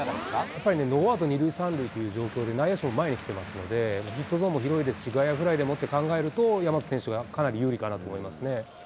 やっぱり、ノーアウト２塁３塁という状況で、内野手も前に来てますので、ヒットゾーンも広いですし、外野フライも考えると、大和選手がかなり有利かなと思いますね。